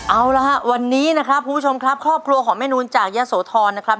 เอาละฮะวันนี้นะครับคุณผู้ชมครับครอบครัวของแม่นูนจากยะโสธรนะครับ